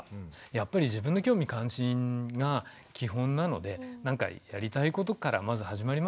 やっぱり自分の興味関心が基本なのでなんかやりたいことからまず始まりますよね。